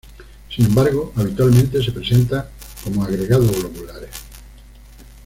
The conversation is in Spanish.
Sin embargo, habitualmente se presenta como agregados globulares.